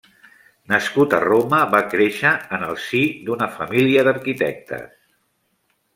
Nascut a Roma, va créixer en el si d'una família d'arquitectes.